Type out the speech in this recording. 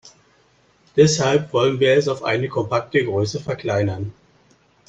Deshalb wollen wir es auf eine kompakte Größe verkleinern.